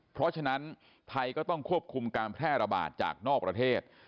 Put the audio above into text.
เพราะฉะนั้นไทยก็ต้องควบคุมการแพร่ระบาดจากนอกประเทศ